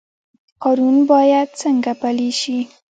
قانون باید څنګه پلی شي؟